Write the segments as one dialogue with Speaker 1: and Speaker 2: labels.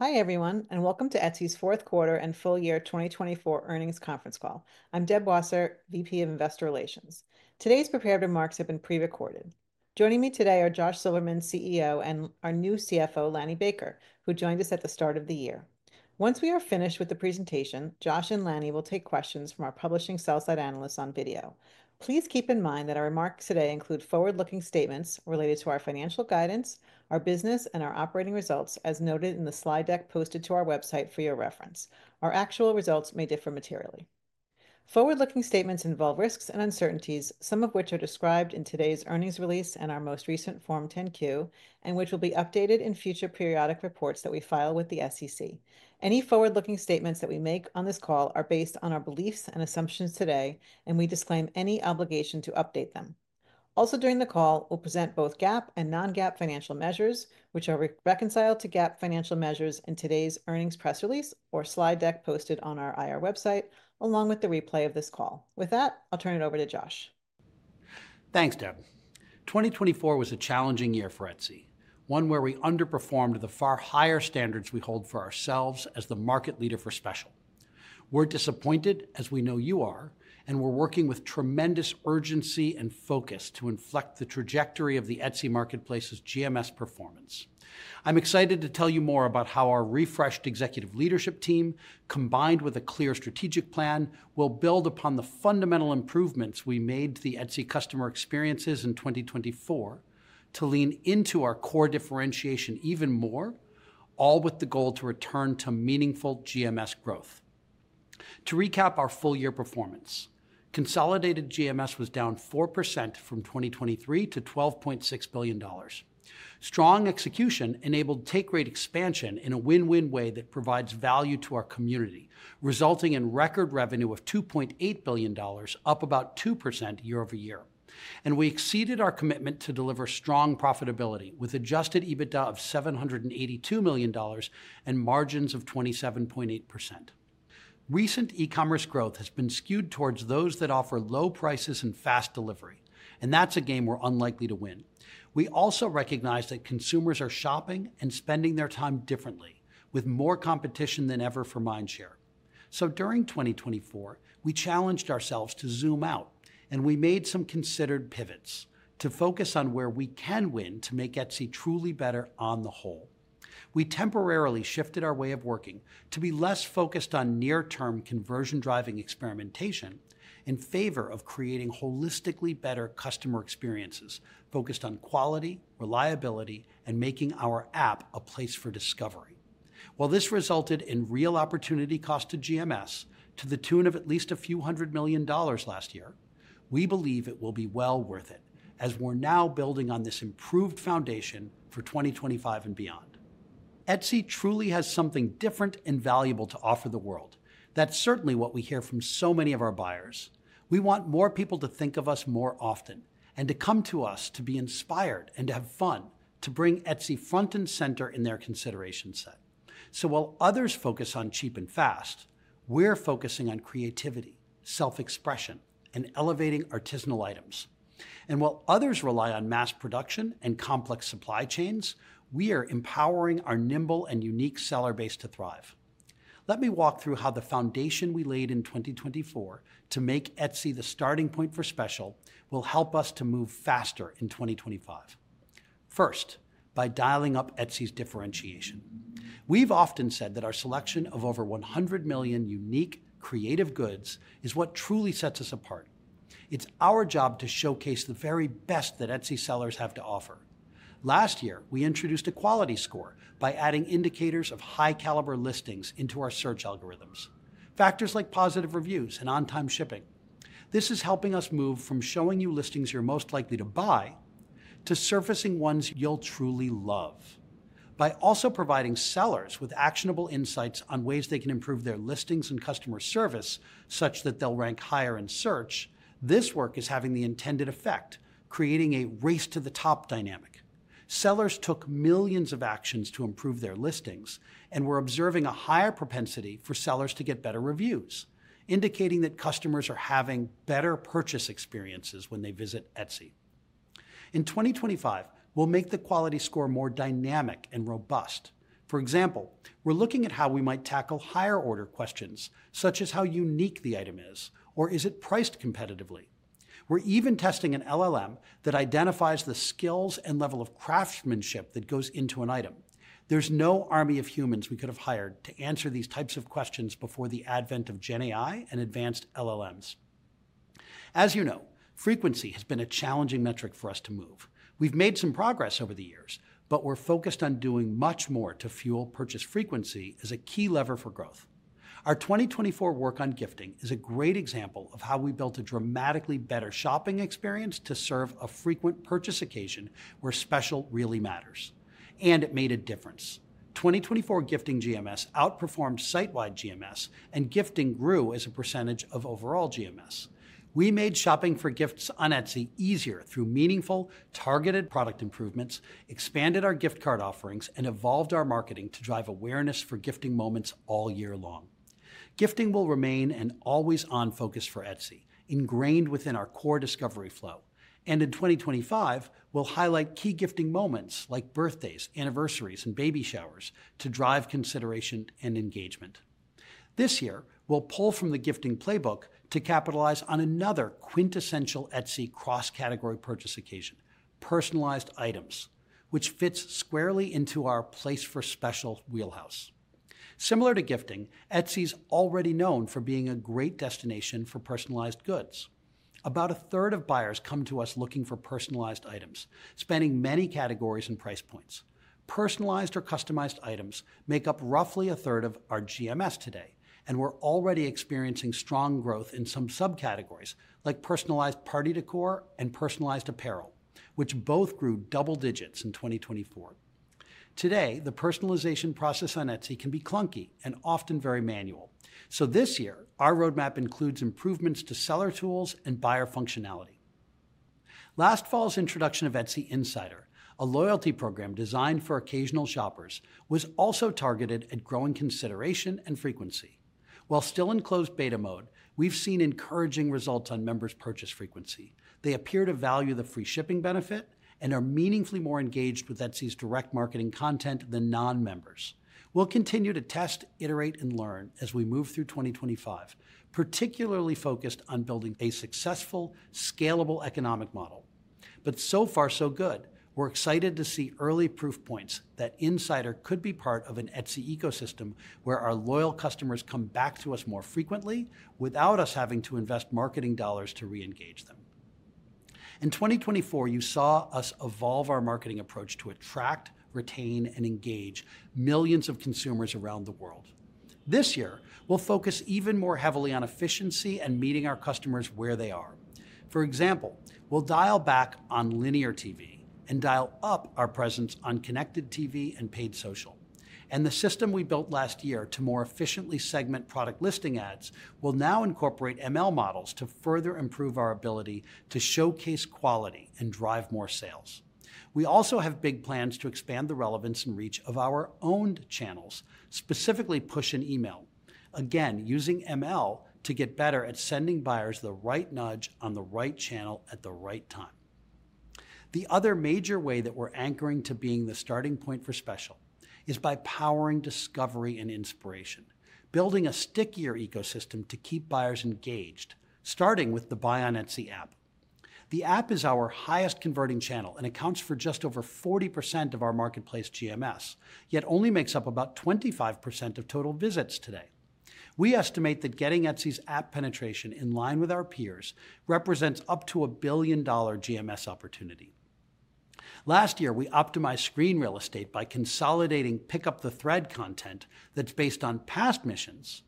Speaker 1: Hi everyone, and welcome to Etsy's Q4 and Full Year 2024 Earnings Conference Call. I'm Deb Wasser, VP of Investor Relations. Today's prepared remarks have been pre-recorded. Joining me today are Josh Silverman, CEO, and our new CFO, Lanny Baker, who joined us at the start of the year. Once we are finished with the presentation, Josh and Lanny will take questions from our publishing sell-side analysts on video. Please keep in mind that our remarks today include forward-looking statements related to our financial guidance, our business, and our operating results, as noted in the slide deck posted to our website for your reference. Our actual results may differ materially. Forward-looking statements involve risks and uncertainties, some of which are described in today's earnings release and our most recent Form 10-Q, and which will be updated in future periodic reports that we file with the SEC. Any forward-looking statements that we make on this call are based on our beliefs and assumptions today, and we disclaim any obligation to update them. Also, during the call, we'll present both GAAP and non-GAAP financial measures, which are reconciled to GAAP financial measures in today's earnings press release or slide deck posted on our IR website, along with the replay of this call. With that, I'll turn it over to Josh.
Speaker 2: Thanks, Deb. 2024 was a challenging year for Etsy, one where we underperformed the far higher standards we hold for ourselves as the market leader for special. We're disappointed, as we know you are, and we're working with tremendous urgency and focus to inflect the trajectory of the Etsy marketplace's GMS performance. I'm excited to tell you more about how our refreshed executive leadership team, combined with a clear strategic plan, will build upon the fundamental improvements we made to the Etsy customer experiences in 2024 to lean into our core differentiation even more, all with the goal to return to meaningful GMS growth. To recap our full year performance, consolidated GMS was down 4% from 2023 to $12.6 billion. Strong execution enabled take-rate expansion in a win-win way that provides value to our community, resulting in record revenue of $2.8 billion, up about 2% year-over-year. And we exceeded our commitment to deliver strong profitability with adjusted EBITDA of $782 million and margins of 27.8%. Recent e-commerce growth has been skewed towards those that offer low prices and fast delivery, and that's a game we're unlikely to win. We also recognize that consumers are shopping and spending their time differently, with more competition than ever for mind share. So during 2024, we challenged ourselves to zoom out, and we made some considered pivots to focus on where we can win to make Etsy truly better on the whole. We temporarily shifted our way of working to be less focused on near-term conversion-driving experimentation in favor of creating holistically better customer experiences focused on quality, reliability, and making our app a place for discovery. While this resulted in real opportunity cost to GMS to the tune of at least a few hundred million dollars last year, we believe it will be well worth it, as we're now building on this improved foundation for 2025 and beyond. Etsy truly has something different and valuable to offer the world. That's certainly what we hear from so many of our buyers. We want more people to think of us more often and to come to us to be inspired and to have fun to bring Etsy front and center in their consideration set. So while others focus on cheap and fast, we're focusing on creativity, self-expression, and elevating artisanal items. And while others rely on mass production and complex supply chains, we are empowering our nimble and unique seller base to thrive. Let me walk through how the foundation we laid in 2024 to make Etsy the starting point for special will help us to move faster in 2025. First, by dialing up Etsy's differentiation. We've often said that our selection of over 100 million unique creative goods is what truly sets us apart. It's our job to showcase the very best that Etsy sellers have to offer. Last year, we introduced a quality score by adding indicators of high-caliber listings into our search algorithms, factors like positive reviews and on-time shipping. This is helping us move from showing you listings you're most likely to buy to surfacing ones you'll truly love. By also providing sellers with actionable insights on ways they can improve their listings and customer service such that they'll rank higher in search, this work is having the intended effect, creating a race-to-the-top dynamic. Sellers took millions of actions to improve their listings and were observing a higher propensity for sellers to get better reviews, indicating that customers are having better purchase experiences when they visit Etsy. In 2025, we'll make the quality score more dynamic and robust. For example, we're looking at how we might tackle higher-order questions such as how unique the item is, or is it priced competitively? We're even testing an LLM that identifies the skills and level of craftsmanship that goes into an item. There's no army of humans we could have hired to answer these types of questions before the advent of GenAI and advanced LLMs. As you know, frequency has been a challenging metric for us to move. We've made some progress over the years, but we're focused on doing much more to fuel purchase frequency as a key lever for growth. Our 2024 work on gifting is a great example of how we built a dramatically better shopping experience to serve a frequent purchase occasion where special really matters, and it made a difference. 2024 gifting GMS outperformed site-wide GMS, and gifting grew as a percentage of overall GMS. We made shopping for gifts on Etsy easier through meaningful, targeted product improvements, expanded our gift card offerings, and evolved our marketing to drive awareness for gifting moments all year long. Gifting will remain an always-on focus for Etsy, ingrained within our core discovery flow, and in 2025, we'll highlight key gifting moments like birthdays, anniversaries, and baby showers to drive consideration and engagement. This year, we'll pull from the gifting playbook to capitalize on another quintessential Etsy cross-category purchase occasion, personalized items, which fits squarely into our place for special wheelhouse. Similar to gifting, Etsy is already known for being a great destination for personalized goods. About a third of buyers come to us looking for personalized items, spanning many categories and price points. Personalized or customized items make up roughly a third of our GMS today, and we're already experiencing strong growth in some subcategories like personalized party decor and personalized apparel, which both grew double digits in 2024. Today, the personalization process on Etsy can be clunky and often very manual. So this year, our roadmap includes improvements to seller tools and buyer functionality. Last fall's introduction of Etsy Insider, a loyalty program designed for occasional shoppers, was also targeted at growing consideration and frequency. While still in closed beta mode, we've seen encouraging results on members' purchase frequency. They appear to value the free shipping benefit and are meaningfully more engaged with Etsy's direct marketing content than non-members. We'll continue to test, iterate, and learn as we move through 2025, particularly focused on building a successful, scalable economic model. But so far, so good. We're excited to see early proof points that Insider could be part of an Etsy ecosystem where our loyal customers come back to us more frequently without us having to invest marketing dollars to re-engage them. In 2024, you saw us evolve our marketing approach to attract, retain, and engage millions of consumers around the world. This year, we'll focus even more heavily on efficiency and meeting our customers where they are. For example, we'll dial back on linear TV and dial up our presence on connected TV and paid social. And the system we built last year to more efficiently segment Product Listing Ads will now incorporate ML models to further improve our ability to showcase quality and drive more sales. We also have big plans to expand the relevance and reach of our owned channels, specifically push and email, again using ML to get better at sending buyers the right nudge on the right channel at the right time. The other major way that we're anchoring to being the starting point for special is by powering discovery and inspiration, building a stickier ecosystem to keep buyers engaged, starting with the Buy on Etsy app. The app is our highest converting channel and accounts for just over 40% of our marketplace GMS, yet only makes up about 25% of total visits today. We estimate that getting Etsy's app penetration in line with our peers represents up to a $1 billion GMS opportunity. Last year, we optimized screen real estate by consolidating pick-up-the-thread content that's based on past missions,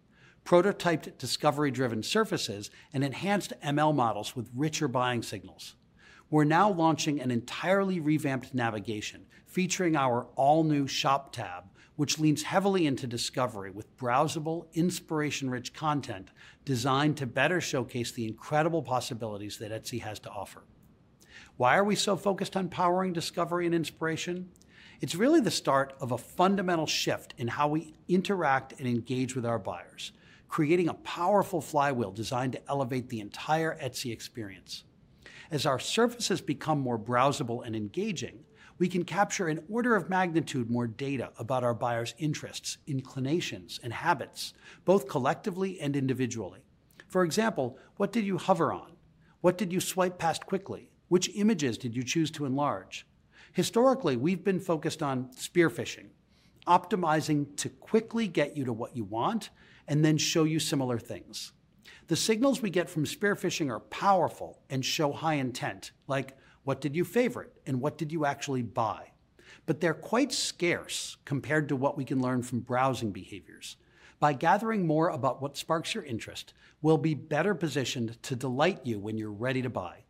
Speaker 2: prototyped discovery-driven surfaces, and enhanced ML models with richer buying signals. We're now launching an entirely revamped navigation featuring our all-new Shop tab, which leans heavily into discovery with browsable, inspiration-rich content designed to better showcase the incredible possibilities that Etsy has to offer. Why are we so focused on powering discovery and inspiration? It's really the start of a fundamental shift in how we interact and engage with our buyers, creating a powerful flywheel designed to elevate the entire Etsy experience. As our surfaces become more browsable and engaging, we can capture an order of magnitude more data about our buyers' interests, inclinations, and habits, both collectively and individually. For example, what did you hover on? What did you swipe past quickly? Which images did you choose to enlarge? Historically, we've been focused on spearfishing, optimizing to quickly get you to what you want and then show you similar things. The signals we get from spearfishing are powerful and show high intent, like what did you favorite and what did you actually buy. But they're quite scarce compared to what we can learn from browsing behaviors. By gathering more about what sparks your interest, we'll be better positioned to delight you when you're ready to buy.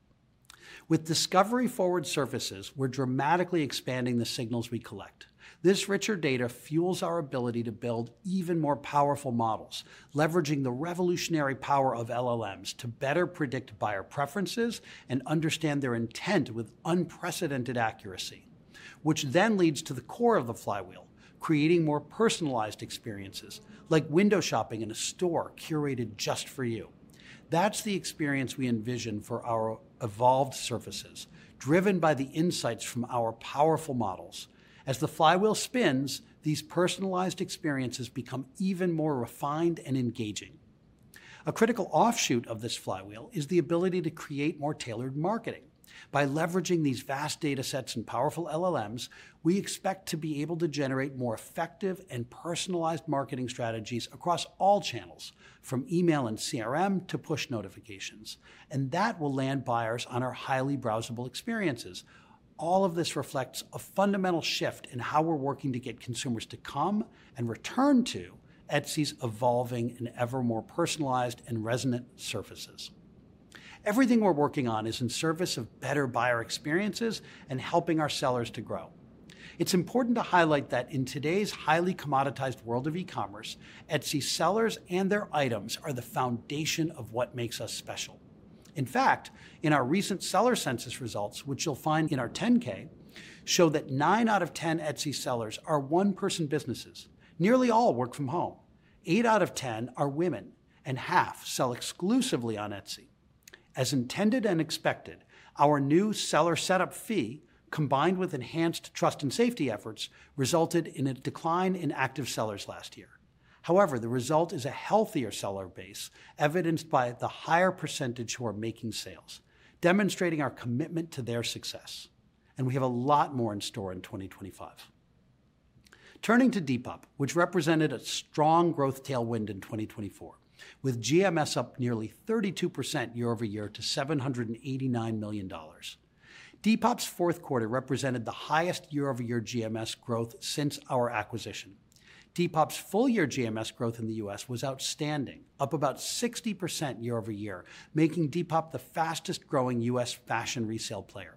Speaker 2: With discovery-forward surfaces, we're dramatically expanding the signals we collect. This richer data fuels our ability to build even more powerful models, leveraging the revolutionary power of LLMs to better predict buyer preferences and understand their intent with unprecedented accuracy, which then leads to the core of the flywheel, creating more personalized experiences like window shopping in a store curated just for you. That's the experience we envision for our evolved surfaces, driven by the insights from our powerful models. As the flywheel spins, these personalized experiences become even more refined and engaging. A critical offshoot of this flywheel is the ability to create more tailored marketing. By leveraging these vast datasets and powerful LLMs, we expect to be able to generate more effective and personalized marketing strategies across all channels, from email and CRM to push notifications. And that will land buyers on our highly browsable experiences. All of this reflects a fundamental shift in how we're working to get consumers to come and return to Etsy's evolving and ever more personalized and resonant surfaces. Everything we're working on is in service of better buyer experiences and helping our sellers to grow. It's important to highlight that in today's highly commoditized world of e-commerce, Etsy sellers and their items are the foundation of what makes us special. In fact, in our recent seller census results, which you'll find in our 10-K, show that 9 out of 10 Etsy sellers are one-person businesses. Nearly all work from home. Eight out of 10 are women, and half sell exclusively on Etsy. As intended and expected, our new seller setup fee, combined with enhanced trust and safety efforts, resulted in a decline in active sellers last year. However, the result is a healthier seller base evidenced by the higher percentage who are making sales, demonstrating our commitment to their success, and we have a lot more in store in 2025. Turning to Depop, which represented a strong growth tailwind in 2024, with GMS up nearly 32% year-over-year to $789 million. Depop's Q4 represented the highest year-over-year GMS growth since our acquisition. Depop's full-year GMS growth in the U.S. was outstanding, up about 60% year-over-year, making Depop the fastest-growing U.S. fashion resale player.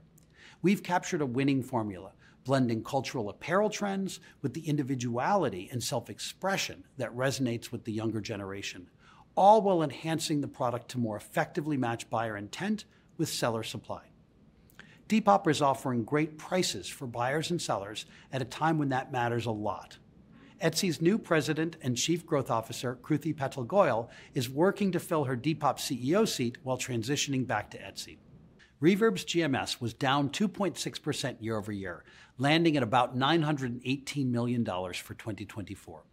Speaker 2: We've captured a winning formula, blending cultural apparel trends with the individuality and self-expression that resonates with the younger generation, all while enhancing the product to more effectively match buyer intent with seller supply. Depop is offering great prices for buyers and sellers at a time when that matters a lot. Etsy's new President and Chief Growth Officer, Kruti Patel Goyal, is working to fill her Depop CEO seat while transitioning back to Etsy. Reverb's GMS was down 2.6% year-over-year, landing at about $918 million for 2024.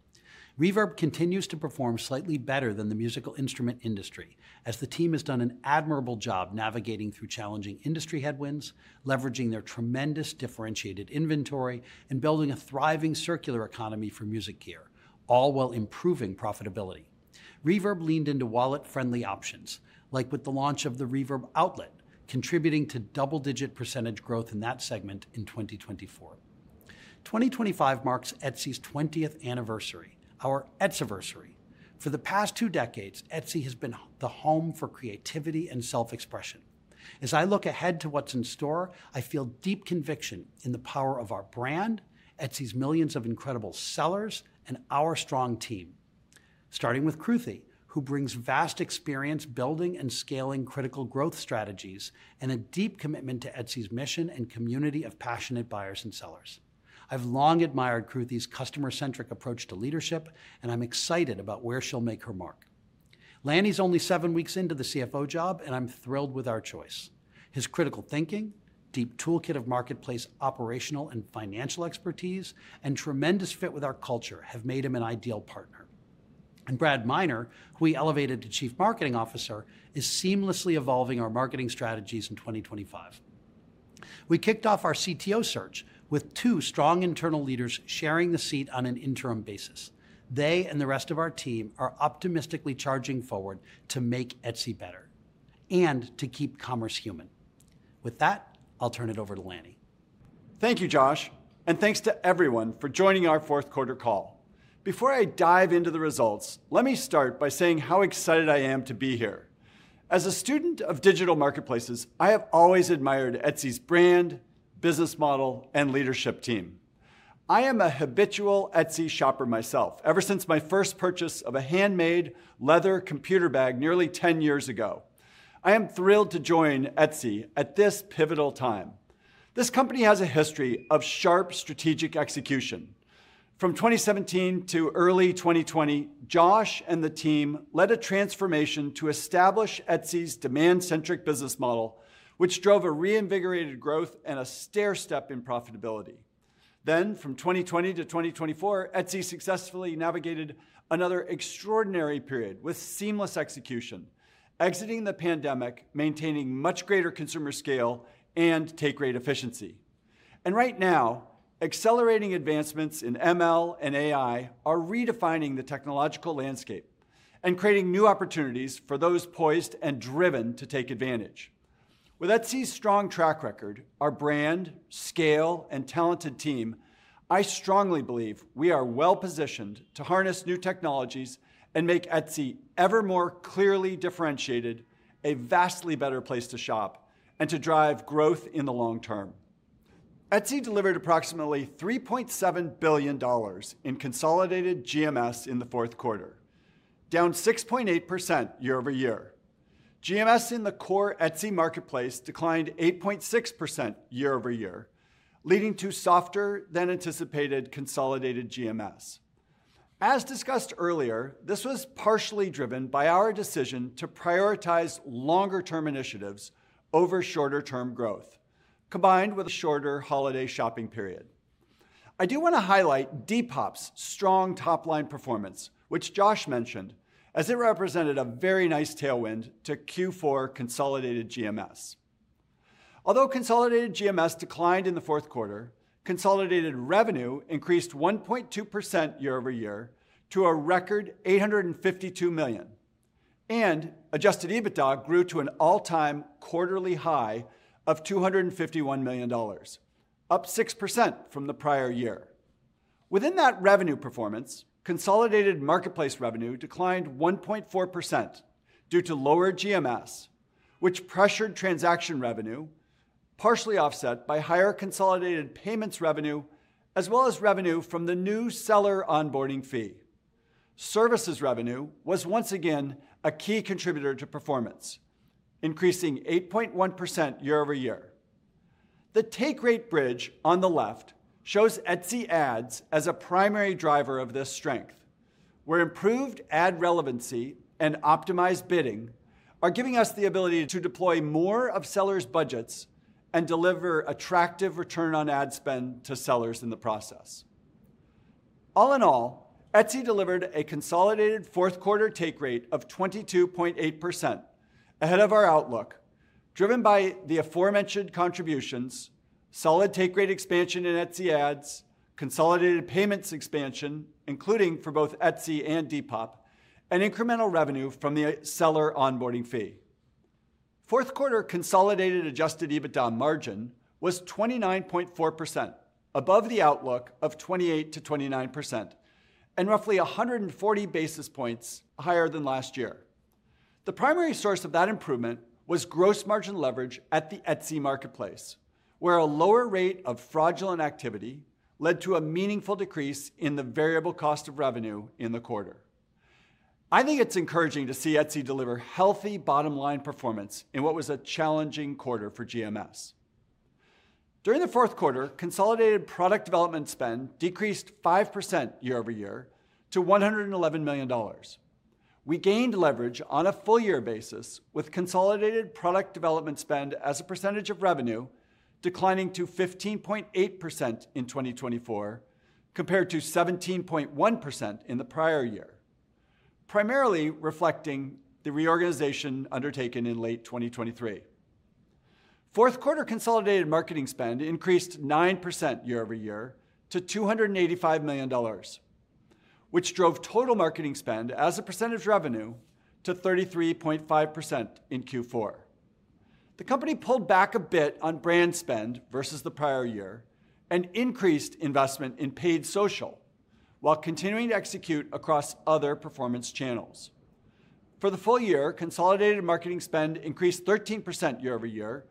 Speaker 2: Reverb continues to perform slightly better than the musical instrument industry, as the team has done an admirable job navigating through challenging industry headwinds, leveraging their tremendous differentiated inventory, and building a thriving circular economy for music gear, all while improving profitability. Reverb leaned into wallet-friendly options, like with the launch of the Reverb Outlet, contributing to double-digit % growth in that segment in 2024. 2025 marks Etsy's 20th anniversary, our Etsiversary. For the past two decades, Etsy has been the home for creativity and self-expression. As I look ahead to what's in store, I feel deep conviction in the power of our brand, Etsy's millions of incredible sellers, and our strong team, starting with Kruti, who brings vast experience building and scaling critical growth strategies and a deep commitment to Etsy's mission and community of passionate buyers and sellers. I've long admired Kruti's customer-centric approach to leadership, and I'm excited about where she'll make her mark. Lanny's only seven weeks into the CFO job, and I'm thrilled with our choice. His critical thinking, deep toolkit of marketplace operational and financial expertise, and tremendous fit with our culture have made him an ideal partner. And Brad Minor, who we elevated to Chief Marketing Officer, is seamlessly evolving our marketing strategies in 2025. We kicked off our CTO search with two strong internal leaders sharing the seat on an interim basis. They and the rest of our team are optimistically charging forward to make Etsy better and to keep commerce human. With that, I'll turn it over to Lanny.
Speaker 3: Thank you, Josh, and thanks to everyone for joining our Q4 call. Before I dive into the results, let me start by saying how excited I am to be here. As a student of digital marketplaces, I have always admired Etsy's brand, business model, and leadership team. I am a habitual Etsy shopper myself, ever since my first purchase of a handmade leather computer bag nearly 10 years ago. I am thrilled to join Etsy at this pivotal time. This company has a history of sharp strategic execution. From 2017 to early 2020, Josh and the team led a transformation to establish Etsy's demand-centric business model, which drove a reinvigorated growth and a stair step in profitability. Then, from 2020 to 2024, Etsy successfully navigated another extraordinary period with seamless execution, exiting the pandemic, maintaining much greater consumer scale and take-rate efficiency. And right now, accelerating advancements in ML and AI are redefining the technological landscape and creating new opportunities for those poised and driven to take advantage. With Etsy's strong track record, our brand, scale, and talented team, I strongly believe we are well-positioned to harness new technologies and make Etsy ever more clearly differentiated, a vastly better place to shop, and to drive growth in the long term. Etsy delivered approximately $3.7 billion in consolidated GMS in the Q4, down 6.8% year-over-year. GMS in the core Etsy marketplace declined 8.6% year-over-year, leading to softer-than-anticipated consolidated GMS. As discussed earlier, this was partially driven by our decision to prioritize longer-term initiatives over shorter-term growth, combined with a shorter holiday shopping period. I do want to highlight Depop's strong top-line performance, which Josh mentioned, as it represented a very nice tailwind to Q4 consolidated GMS. Although consolidated GMS declined in the Q4, consolidated revenue increased 1.2% year-over-year to a record $852 million, and adjusted EBITDA grew to an all-time quarterly high of $251 million, up 6% from the prior year. Within that revenue performance, consolidated marketplace revenue declined 1.4% due to lower GMS, which pressured transaction revenue, partially offset by higher consolidated payments revenue, as well as revenue from the new seller onboarding fee. Services revenue was once again a key contributor to performance, increasing 8.1% year-over-year. The take-rate bridge on the left shows Etsy Ads as a primary driver of this strength, where improved ad relevancy and optimized bidding are giving us the ability to deploy more of sellers' budgets and deliver attractive return on ad spend to sellers in the process. All in all, Etsy delivered a consolidated Q4 take-rate of 22.8% ahead of our outlook, driven by the aforementioned contributions, solid take-rate expansion in Etsy Ads, consolidated payments expansion, including for both Etsy and Depop, and incremental revenue from the seller onboarding fee. Q4 consolidated adjusted EBITDA margin was 29.4%, above the outlook of 28%-29%, and roughly 140 basis points higher than last year. The primary source of that improvement was gross margin leverage at the Etsy marketplace, where a lower rate of fraudulent activity led to a meaningful decrease in the variable cost of revenue in the quarter. I think it's encouraging to see Etsy deliver healthy bottom-line performance in what was a challenging quarter for GMS. During the Q4, consolidated product development spend decreased 5% year-over-year to $111 million. We gained leverage on a full-year basis, with consolidated product development spend as a percentage of revenue declining to 15.8% in 2024, compared to 17.1% in the prior year, primarily reflecting the reorganization undertaken in late 2023. Q4 consolidated marketing spend increased 9% year-over-year to $285 million, which drove total marketing spend as a percentage of revenue to 33.5% in Q4. The company pulled back a bit on brand spend versus the prior year and increased investment in paid social while continuing to execute across other performance channels. For the full year, consolidated marketing spend increased 13% year-over-year,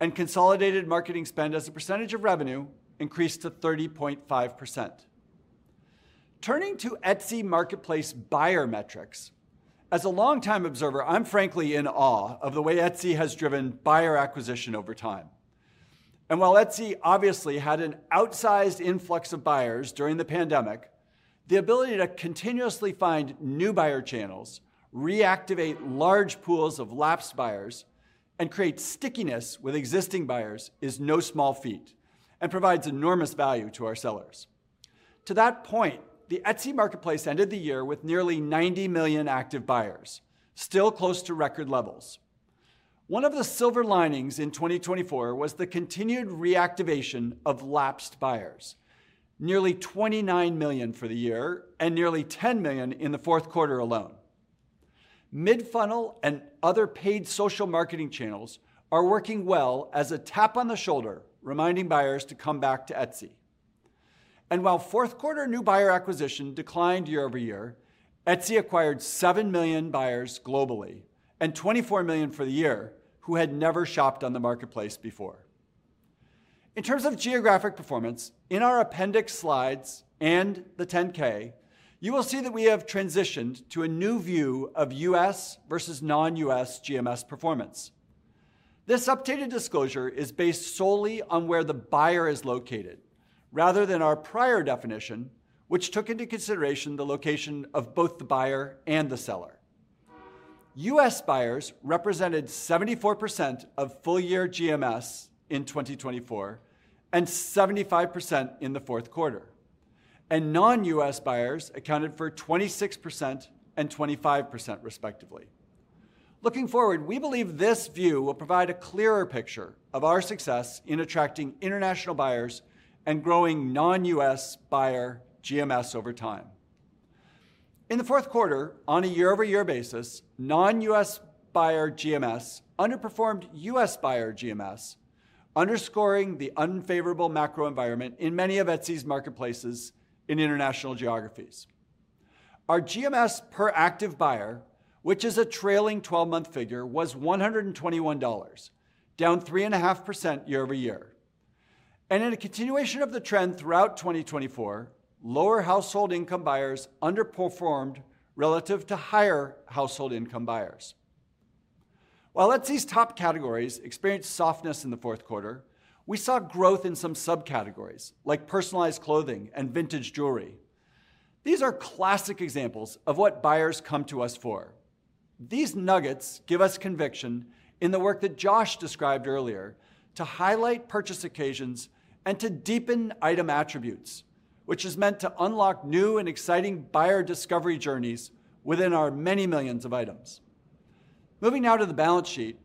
Speaker 3: and consolidated marketing spend as a percentage of revenue increased to 30.5%. Turning to Etsy marketplace buyer metrics, as a longtime observer, I'm frankly in awe of the way Etsy has driven buyer acquisition over time. And while Etsy obviously had an outsized influx of buyers during the pandemic, the ability to continuously find new buyer channels, reactivate large pools of lapsed buyers, and create stickiness with existing buyers is no small feat and provides enormous value to our sellers. To that point, the Etsy marketplace ended the year with nearly 90 million active buyers, still close to record levels. One of the silver linings in 2024 was the continued reactivation of lapsed buyers, nearly 29 million for the year and nearly 10 million in the Q4 alone. Mid-funnel and other paid social marketing channels are working well as a tap on the shoulder, reminding buyers to come back to Etsy. And while Q4 new buyer acquisition declined year-over-year, Etsy acquired 7 million buyers globally and 24 million for the year who had never shopped on the marketplace before. In terms of geographic performance, in our appendix slides and the 10-K, you will see that we have transitioned to a new view of U.S. versus non-U.S. GMS performance. This updated disclosure is based solely on where the buyer is located, rather than our prior definition, which took into consideration the location of both the buyer and the seller. U.S. buyers represented 74% of full-year GMS in 2024 and 75% in the Q4, and non-U.S. buyers accounted for 26% and 25%, respectively. Looking forward, we believe this view will provide a clearer picture of our success in attracting international buyers and growing non-U.S. buyer GMS over time. In the Q4, on a year-over-year basis, non-U.S. buyer GMS underperformed U.S. buyer GMS, underscoring the unfavorable macro environment in many of Etsy's marketplaces in international geographies. Our GMS per active buyer, which is a trailing 12-month figure, was $121, down 3.5% year-over-year. In a continuation of the trend throughout 2024, lower household income buyers underperformed relative to higher household income buyers. While Etsy's top categories experienced softness in the Q4, we saw growth in some subcategories, like personalized clothing and vintage jewelry. These are classic examples of what buyers come to us for. These nuggets give us conviction in the work that Josh described earlier to highlight purchase occasions and to deepen item attributes, which is meant to unlock new and exciting buyer discovery journeys within our many millions of items. Moving now to the balance sheet,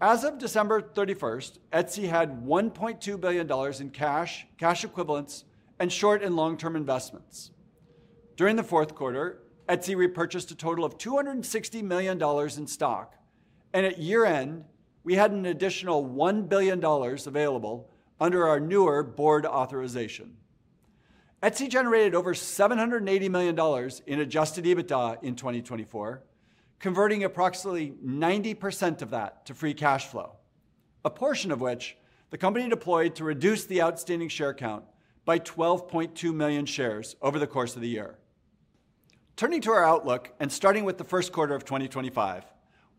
Speaker 3: as of December 31st, Etsy had $1.2 billion in cash, cash equivalents, and short and long-term investments. During the Q4, Etsy repurchased a total of $260 million in stock, and at year-end, we had an additional $1 billion available under our newer board authorization. Etsy generated over $780 million in adjusted EBITDA in 2024, converting approximately 90% of that to free cash flow, a portion of which the company deployed to reduce the outstanding share count by 12.2 million shares over the course of the year. Turning to our outlook and starting with the Q1 of 2025,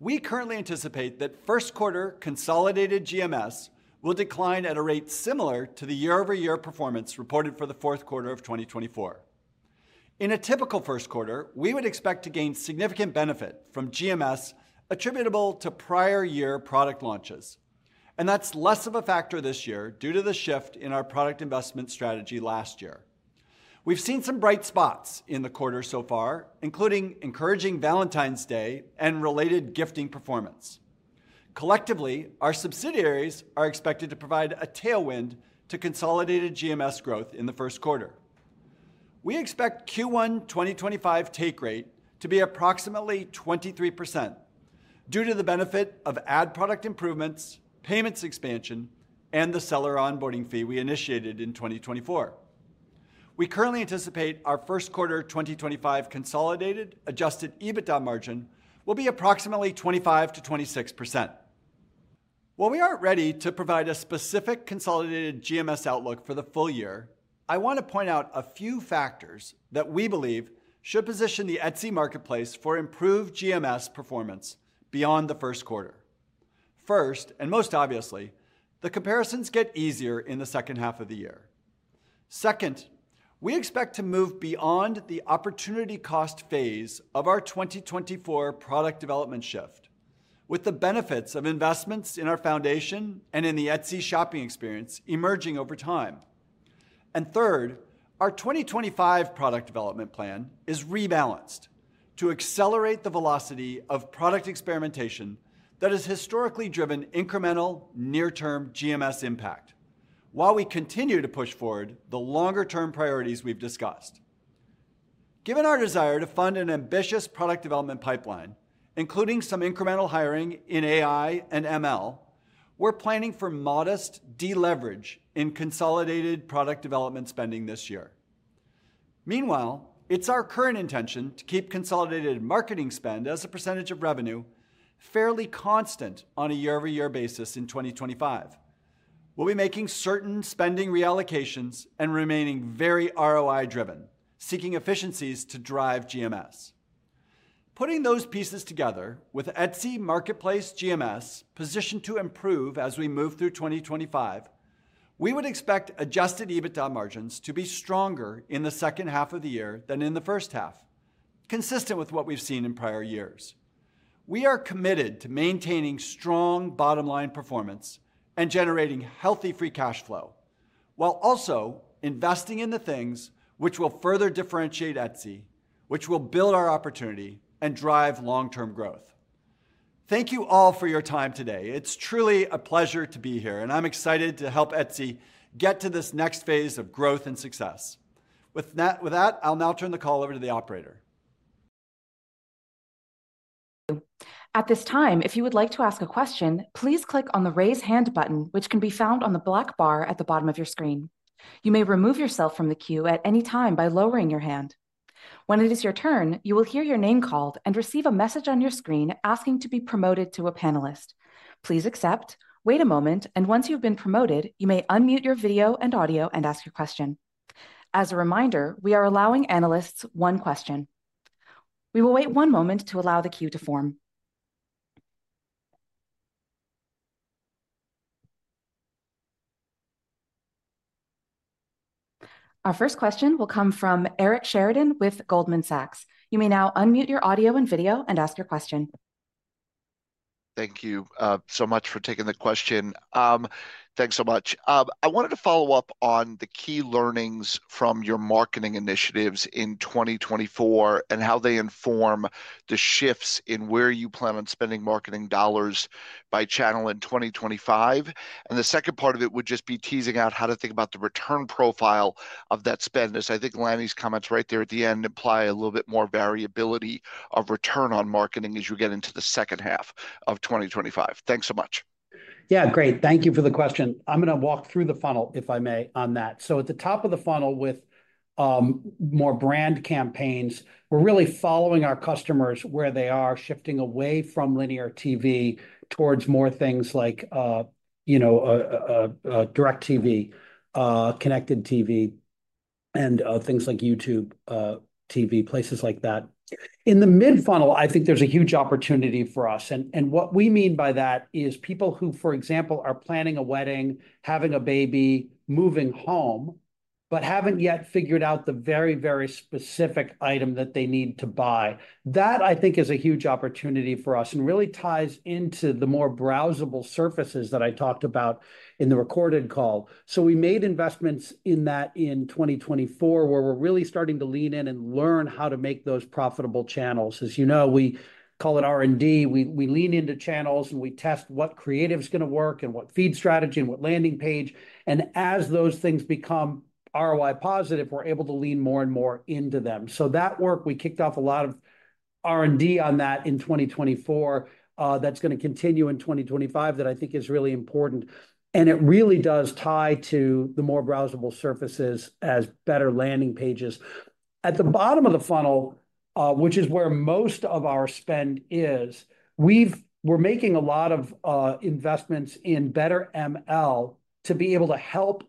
Speaker 3: we currently anticipate that Q1 consolidated GMS will decline at a rate similar to the year-over-year performance reported for the Q4 of 2024. In a typical Q1, we would expect to gain significant benefit from GMS attributable to prior year product launches, and that's less of a factor this year due to the shift in our product investment strategy last year. We've seen some bright spots in the quarter so far, including encouraging Valentine's Day and related gifting performance. Collectively, our subsidiaries are expected to provide a tailwind to consolidated GMS growth in the Q1. We expect Q1 2025 take-rate to be approximately 23% due to the benefit of ad product improvements, payments expansion, and the seller onboarding fee we initiated in 2024. We currently anticipate our Q1 2025 consolidated adjusted EBITDA margin will be approximately 25%-26%. While we aren't ready to provide a specific consolidated GMS outlook for the full year, I want to point out a few factors that we believe should position the Etsy marketplace for improved GMS performance beyond the Q1. First, and most obviously, the comparisons get easier in the second half of the year. Second, we expect to move beyond the opportunity cost phase of our 2024 product development shift, with the benefits of investments in our foundation and in the Etsy shopping experience emerging over time. And third, our 2025 product development plan is rebalanced to accelerate the velocity of product experimentation that has historically driven incremental near-term GMS impact, while we continue to push forward the longer-term priorities we've discussed. Given our desire to fund an ambitious product development pipeline, including some incremental hiring in AI and ML, we're planning for modest deleverage in consolidated product development spending this year. Meanwhile, it's our current intention to keep consolidated marketing spend as a percentage of revenue fairly constant on a year-over-year basis in 2025. We'll be making certain spending reallocations and remaining very ROI-driven, seeking efficiencies to drive GMS. Putting those pieces together with Etsy marketplace GMS positioned to improve as we move through 2025, we would expect adjusted EBITDA margins to be stronger in the second half of the year than in the first half, consistent with what we've seen in prior years. We are committed to maintaining strong bottom-line performance and generating healthy free cash flow, while also investing in the things which will further differentiate Etsy, which will build our opportunity and drive long-term growth. Thank you all for your time today. It's truly a pleasure to be here, and I'm excited to help Etsy get to this next phase of growth and success. With that, I'll now turn the call over to the operator.
Speaker 4: At this time, if you would like to ask a question, please click on the raise hand button, which can be found on the black bar at the bottom of your screen. You may remove yourself from the queue at any time by lowering your hand. When it is your turn, you will hear your name called and receive a message on your screen asking to be promoted to a panelist. Please accept, wait a moment, and once you've been promoted, you may unmute your video and audio and ask your question. As a reminder, we are allowing analysts one question. We will wait one moment to allow the queue to form. Our first question will come from Eric Sheridan with Goldman Sachs. You may now unmute your audio and video and ask your question.
Speaker 5: Thank you so much for taking the question. Thanks so much. I wanted to follow up on the key learnings from your marketing initiatives in 2024 and how they inform the shifts in where you plan on spending marketing dollars by channel in 2025, and the second part of it would just be teasing out how to think about the return profile of that spend, as I think Lanny's comments right there at the end imply a little bit more variability of return on marketing as you get into the second half of 2025. Thanks so much.
Speaker 2: Yeah, great. Thank you for the question. I'm going to walk through the funnel, if I may, on that, so at the top of the funnel with more brand campaigns, we're really following our customers where they are, shifting away from linear TV towards more things like, you know, DirecTV, connected TV, and things like YouTube TV, places like that. In the mid-funnel, I think there's a huge opportunity for us. And what we mean by that is people who, for example, are planning a wedding, having a baby, moving home, but haven't yet figured out the very, very specific item that they need to buy. That, I think, is a huge opportunity for us and really ties into the more browsable surfaces that I talked about in the recorded call so we made investments in that in 2024, where we're really starting to lean in and learn how to make those profitable channels. As you know, we call it R&D. We lean into channels and we test what creative is going to work and what feed strategy and what landing page and as those things become ROI positive, we're able to lean more and more into them. So that work, we kicked off a lot of R&D on that in 2024 that's going to continue in 2025 that I think is really important, and it really does tie to the more browsable surfaces as better landing pages. At the bottom of the funnel, which is where most of our spend is, we're making a lot of investments in better ML to be able to help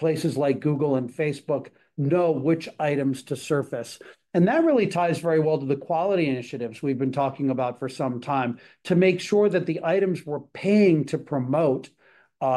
Speaker 2: places like Google and Facebook know which items to surface, and that really ties very well to the quality initiatives we've been talking about for some time to make sure that the items we're paying to promote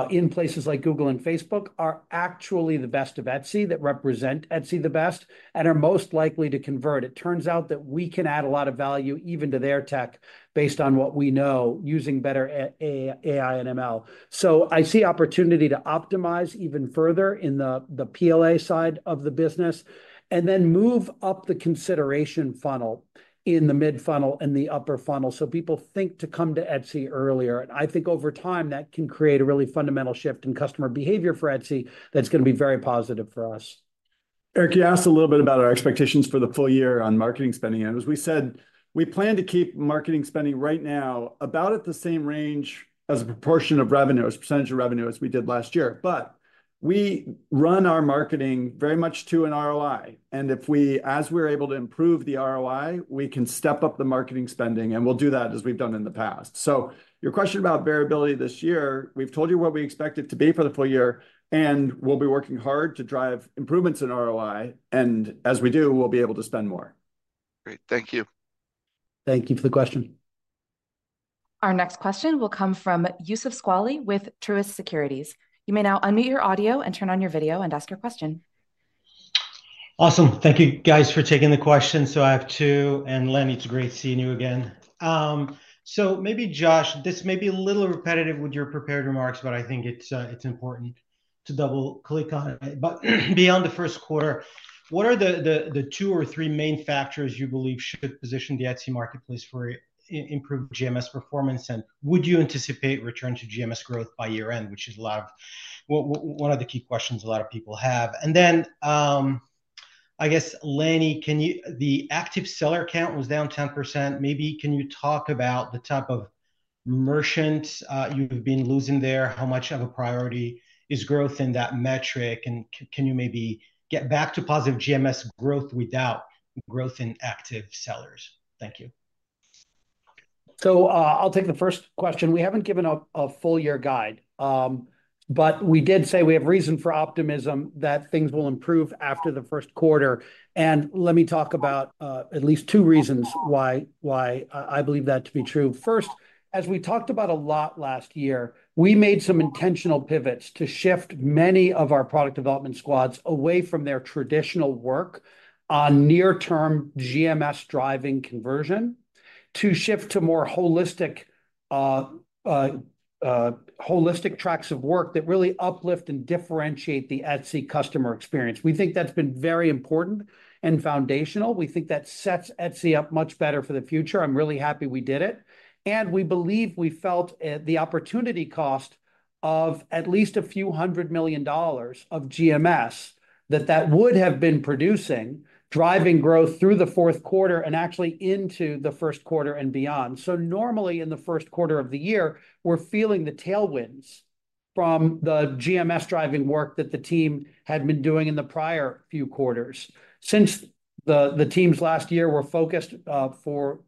Speaker 2: in places like Google and Facebook are actually the best of Etsy that represent Etsy the best and are most likely to convert. It turns out that we can add a lot of value even to their tech based on what we know using better AI and ML. So I see opportunity to optimize even further in the PLA side of the business and then move up the consideration funnel in the mid-funnel and the upper funnel so people think to come to Etsy earlier. And I think over time that can create a really fundamental shift in customer behavior for Etsy that's going to be very positive for us.
Speaker 3: Eric, you asked a little bit about our expectations for the full year on marketing spending. And as we said, we plan to keep marketing spending right now about at the same range as a proportion of revenue, as percentage of revenue as we did last year. But we run our marketing very much to an ROI. And if we, as we're able to improve the ROI, we can step up the marketing spending, and we'll do that as we've done in the past. So your question about variability this year, we've told you what we expect it to be for the full year, and we'll be working hard to drive improvements in ROI. And as we do, we'll be able to spend more.
Speaker 5: Great. Thank you.
Speaker 2: Thank you for the question.
Speaker 4: Our next question will come from Youssef Squali with Truist Securities. You may now unmute your audio and turn on your video and ask your question.
Speaker 6: Awesome. Thank you, guys, for taking the question. So I have two. And Lanny, it's great seeing you again. So maybe, Josh, this may be a little repetitive with your prepared remarks, but I think it's important to double-click on it. But beyond the Q1, what are the two or three main factors you believe should position the Etsy marketplace for improved GMS performance? And would you anticipate return to GMS growth by year-end, which is one of the key questions a lot of people have? And then I guess, Lanny, the active seller count was down 10%. Maybe can you talk about the type of merchants you've been losing there? How much of a priority is growth in that metric? And can you maybe get back to positive GMS growth without growth in active sellers? Thank you.
Speaker 2: So I'll take the first question. We haven't given a full year guide, but we did say we have reason for optimism that things will improve after the Q1. And let me talk about at least two reasons why I believe that to be true. First, as we talked about a lot last year, we made some intentional pivots to shift many of our product development squads away from their traditional work on near-term GMS driving conversion to shift to more holistic tracks of work that really uplift and differentiate the Etsy customer experience. We think that's been very important and foundational. We think that sets Etsy up much better for the future. I'm really happy we did it. And we believe we felt the opportunity cost of at least a few hundred million dollars of GMS that that would have been producing driving growth through the Q4 and actually into the Q1 and beyond. So normally in the Q1 of the year, we're feeling the tailwinds from the GMS driving work that the team had been doing in the prior few quarters. Since the team's last year were focused for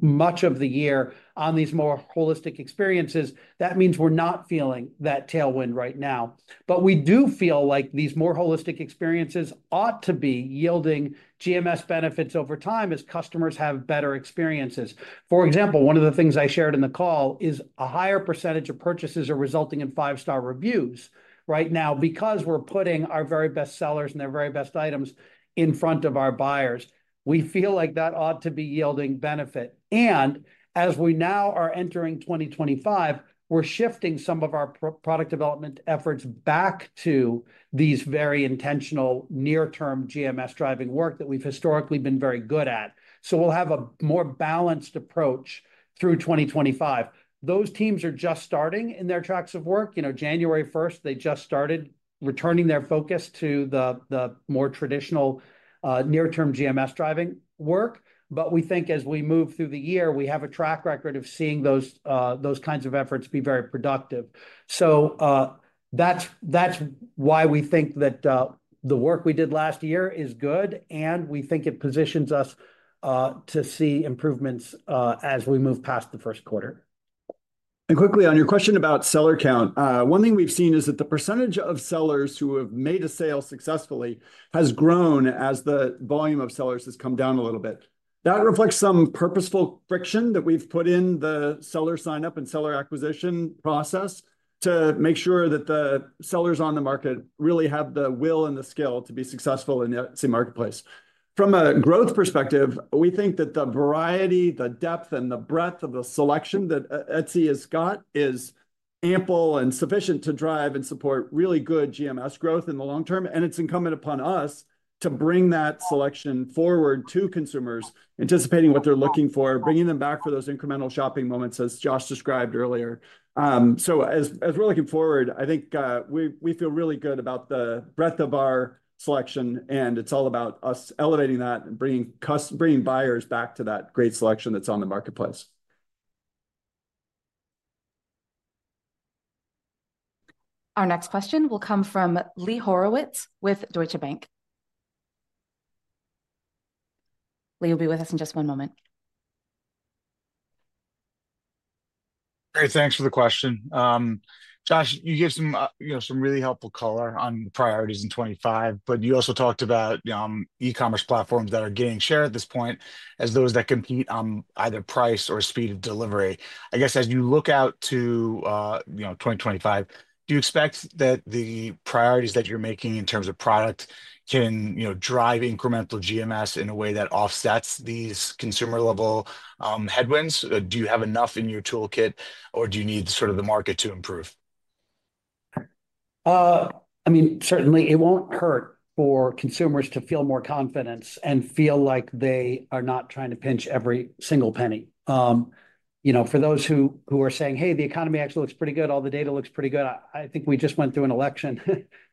Speaker 2: much of the year on these more holistic experiences, that means we're not feeling that tailwind right now. But we do feel like these more holistic experiences ought to be yielding GMS benefits over time as customers have better experiences. For example, one of the things I shared in the call is a higher percentage of purchases are resulting in five-star reviews right now because we're putting our very best sellers and their very best items in front of our buyers. We feel like that ought to be yielding benefit. And as we now are entering 2025, we're shifting some of our product development efforts back to these very intentional near-term GMS driving work that we've historically been very good at. So we'll have a more balanced approach through 2025. Those teams are just starting in their tracks of work. You know, January 1st, they just started returning their focus to the more traditional near-term GMS driving work. But we think as we move through the year, we have a track record of seeing those kinds of efforts be very productive. So that's why we think that the work we did last year is good, and we think it positions us to see improvements as we move past the Q1.
Speaker 3: And quickly, on your question about seller count, one thing we've seen is that the percentage of sellers who have made a sale successfully has grown as the volume of sellers has come down a little bit. That reflects some purposeful friction that we've put in the seller sign-up and seller acquisition process to make sure that the sellers on the market really have the will and the skill to be successful in the Etsy marketplace. From a growth perspective, we think that the variety, the depth, and the breadth of the selection that Etsy has got is ample and sufficient to drive and support really good GMS growth in the long term. And it's incumbent upon us to bring that selection forward to consumers, anticipating what they're looking for, bringing them back for those incremental shopping moments, as Josh described earlier. So as we're looking forward, I think we feel really good about the breadth of our selection, and it's all about us elevating that and bringing buyers back to that great selection that's on the marketplace.
Speaker 4: Our next question will come from Lee Horowitz with Deutsche Bank. Lee will be with us in just one moment.
Speaker 7: Great. Thanks for the question. Josh, you gave some really helpful color on priorities in 2025, but you also talked about e-commerce platforms that are gaining share at this point as those that compete on either price or speed of delivery. I guess as you look out to 2025, do you expect that the priorities that you're making in terms of product can drive incremental GMS in a way that offsets these consumer-level headwinds? Do you have enough in your toolkit, or do you need sort of the market to improve?
Speaker 2: I mean, certainly it won't hurt for consumers to feel more confidence and feel like they are not trying to pinch every single penny. For those who are saying, "Hey, the economy actually looks pretty good. All the data looks pretty good," I think we just went through an election,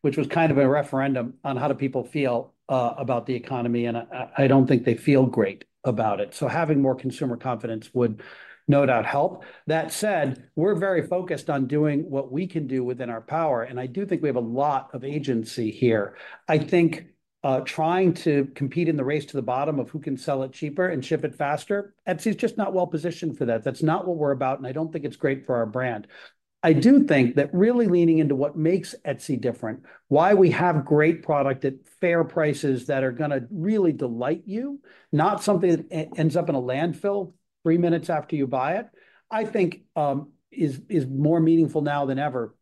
Speaker 2: which was kind of a referendum on how do people feel about the economy, and I don't think they feel great about it. So having more consumer confidence would no doubt help. That said, we're very focused on doing what we can do within our power, and I do think we have a lot of agency here. I think trying to compete in the race to the bottom of who can sell it cheaper and ship it faster, Etsy is just not well positioned for that. That's not what we're about, and I don't think it's great for our brand. I do think that really leaning into what makes Etsy different, why we have great product at fair prices that are going to really delight you, not something that ends up in a landfill three minutes after you buy it, I think is more meaningful now than ever.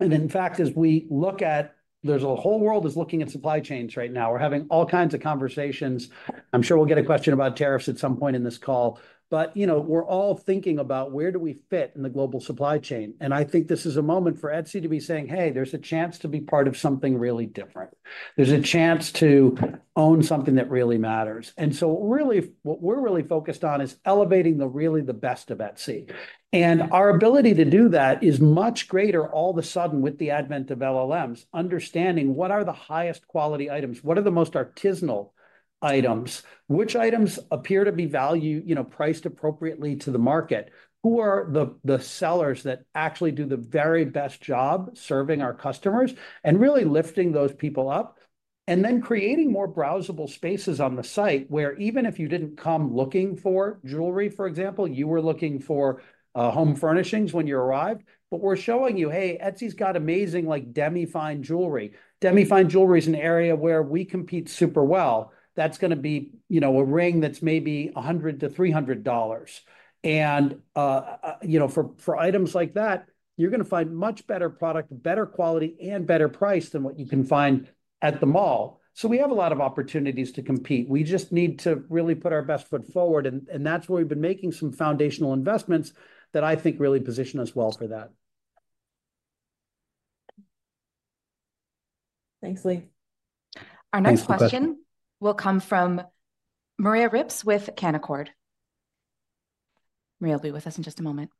Speaker 2: And in fact, as we look at, there's a whole world that's looking at supply chains right now. We're having all kinds of conversations. I'm sure we'll get a question about tariffs at some point in this call. But we're all thinking about where do we fit in the global supply chain. And I think this is a moment for Etsy to be saying, "Hey, there's a chance to be part of something really different. There's a chance to own something that really matters." And so really what we're really focused on is elevating really the best of Etsy. Our ability to do that is much greater all of a sudden with the advent of LLMs, understanding what are the highest quality items, what are the most artisanal items, which items appear to be priced appropriately to the market, who are the sellers that actually do the very best job serving our customers, and really lifting those people up and then creating more browsable spaces on the site where even if you didn't come looking for jewelry, for example, you were looking for home furnishings when you arrived. But we're showing you, "Hey, Etsy's got amazing demi-fine jewelry." Demi-fine jewelry is an area where we compete super well. That's going to be a ring that's maybe $100-$300. For items like that, you're going to find much better product, better quality, and better price than what you can find at the mall. So we have a lot of opportunities to compete. We just need to really put our best foot forward. And that's where we've been making some foundational investments that I think really position us well for that.
Speaker 1: Thanks, Lee.
Speaker 4: Our next question will come from Maria Ripps with Canaccord. Maria will be with us in just a moment.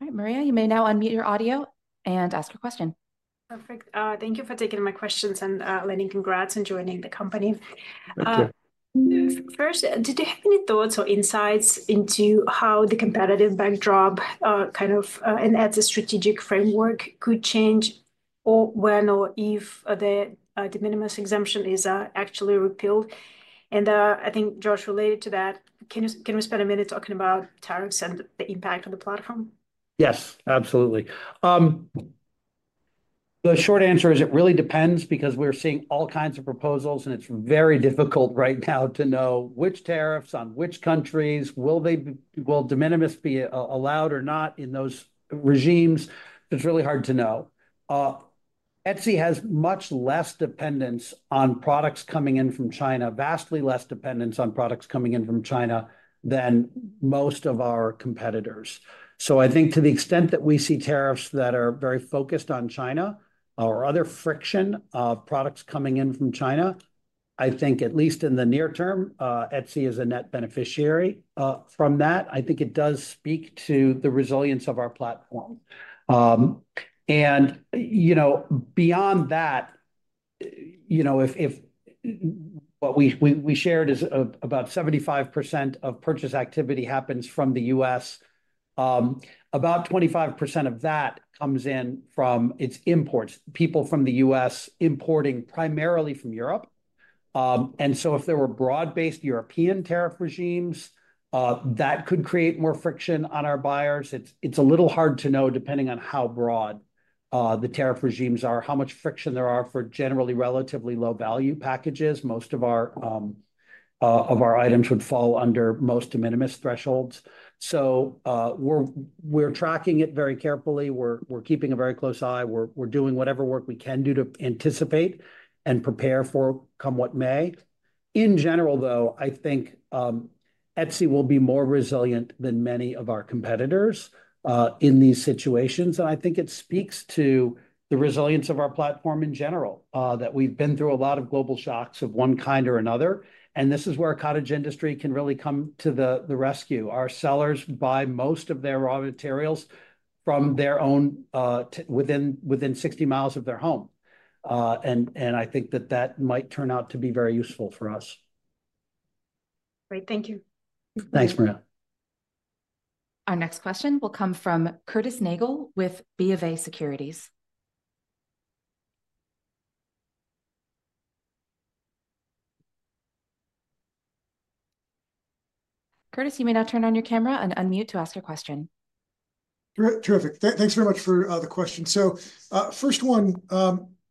Speaker 4: All right, Maria, you may now unmute your audio and ask your question.
Speaker 8: Perfect. Thank you for taking my questions. And Lanny, congrats on joining the company.
Speaker 2: Thank you.
Speaker 8: First, did you have any thoughts or insights into how the competitive backdrop kind of an Etsy strategic framework could change or when or if the de minimis exemption is actually repealed? And I think, Josh, related to that, can we spend a minute talking about tariffs and the impact on the platform?
Speaker 2: Yes, absolutely. The short answer is it really depends because we're seeing all kinds of proposals, and it's very difficult right now to know which tariffs on which countries will de minimis be allowed or not in those regimes. It's really hard to know. Etsy has much less dependence on products coming in from China, vastly less dependence on products coming in from China than most of our competitors. So I think to the extent that we see tariffs that are very focused on China or other friction of products coming in from China, I think at least in the near term, Etsy is a net beneficiary from that. I think it does speak to the resilience of our platform, and beyond that, what we shared is about 75% of purchase activity happens from the U.S. About 25% of that comes in from its imports, people from the US importing primarily from Europe. And so if there were broad-based European tariff regimes, that could create more friction on our buyers. It's a little hard to know depending on how broad the tariff regimes are, how much friction there are for generally relatively low-value packages. Most of our items would fall under most de minimis thresholds. So we're tracking it very carefully. We're keeping a very close eye. We're doing whatever work we can do to anticipate and prepare for come what may. In general, though, I think Etsy will be more resilient than many of our competitors in these situations. And I think it speaks to the resilience of our platform in general, that we've been through a lot of global shocks of one kind or another. And this is where a cottage industry can really come to the rescue. Our sellers buy most of their raw materials from their own within 60 mi of their home. And I think that that might turn out to be very useful for us.
Speaker 8: Great. Thank you.
Speaker 2: Thanks, Maria.
Speaker 4: Our next question will come from Curtis Nagle with BofA Securities. Curtis, you may now turn on your camera and unmute to ask your question.
Speaker 9: Terrific. Thanks very much for the question. So first one,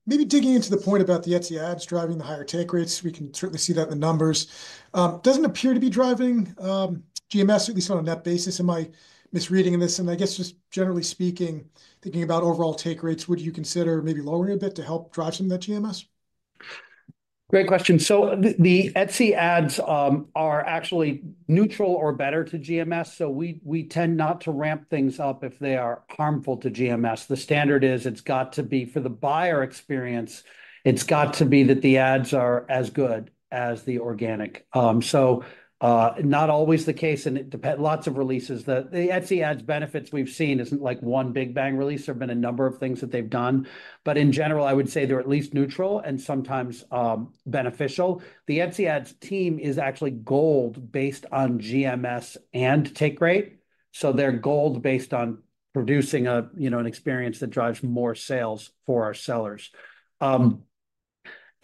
Speaker 9: maybe digging into the point about the Etsy ads driving the higher take rates. We can certainly see that in the numbers. Doesn't appear to be driving GMS, at least on a net basis. Am I misreading this? And I guess just generally speaking, thinking about overall take rates, would you consider maybe lowering a bit to help drive some of that GMS?
Speaker 2: Great question. So the Etsy ads are actually neutral or better to GMS. So we tend not to ramp things up if they are harmful to GMS. The standard is it's got to be for the buyer experience. It's got to be that the ads are as good as the organic. So not always the case. And lots of releases. The Etsy ads benefits we've seen isn't like one big bang release. There have been a number of things that they've done. But in general, I would say they're at least neutral and sometimes beneficial. The Etsy ads team is actually goal based on GMS and take rate. So they're goal based on producing an experience that drives more sales for our sellers.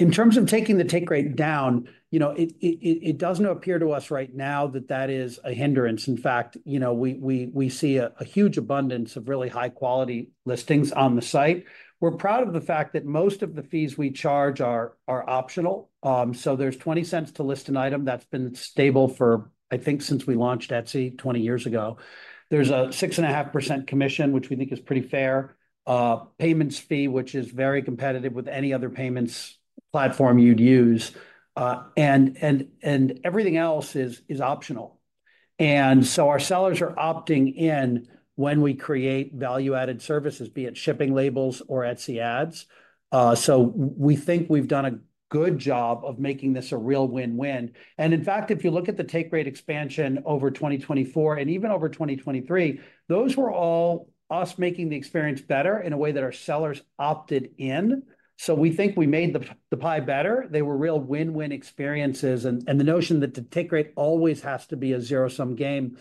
Speaker 2: In terms of taking the take rate down, it doesn't appear to us right now that that is a hindrance. In fact, we see a huge abundance of really high-quality listings on the site. We're proud of the fact that most of the fees we charge are optional, so there's $0.20 to list an item that's been stable for, I think, since we launched Etsy 20 years ago. There's a 6.5% commission, which we think is pretty fair, payments fee, which is very competitive with any other payments platform you'd use, and everything else is optional, and so our sellers are opting in when we create value-added services, be it shipping labels or Etsy ads, so we think we've done a good job of making this a real win-win, and in fact, if you look at the take rate expansion over 2024 and even over 2023, those were all us making the experience better in a way that our sellers opted in. So we think we made the pie better. They were real win-win experiences. And the notion that the take rate always has to be a zero-sum game,